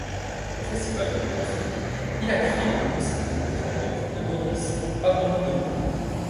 Au Festival de Dubrovnik, il a créé le Concerto pour trompette de Boris Papandopulo.